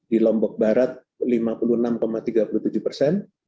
di lombok barat lima puluh enam tiga puluh tujuh persen